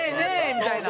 みたいな。